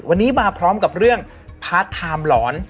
วันนี้มาพร้อมกับเรื่องพาร์ทไทม์หลอน